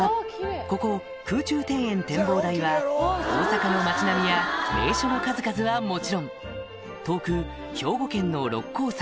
ここ空中庭園展望台は大阪の街並みや名所の数々はもちろん遠く兵庫県の六甲山